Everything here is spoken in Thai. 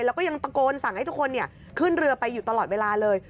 แล้วก็ยังตะโกนสั่งให้ทุกคนขึ้นเรือไปอยู่ตลอดเวลาเลย